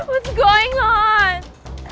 apa yang terjadi